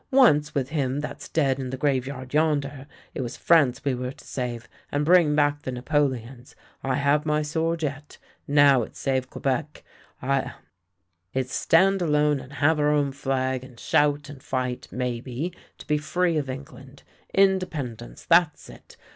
Once, with him that's dead in the graveyard yonder, it was France we were to save, and bring back the Napoleons — I have my sword yet! Now it's save Quebec. It's stand alone and have our own flag, and shout, and light, maybe, to be free of England. Independence, that's it.